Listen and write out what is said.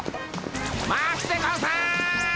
待つでゴンス！